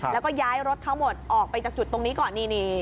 แล้วก็ย้ายรถทั้งหมดออกไปจากจุดตรงนี้ก่อนนี่